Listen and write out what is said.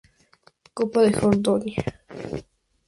Copa de Jordania